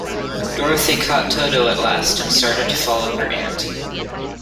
Dorothy caught Toto at last, and started to follow her aunt.